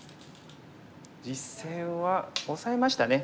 実戦はオサえましたね。